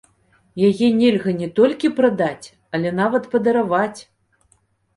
Яе нельга не толькі прадаць, але нават падараваць.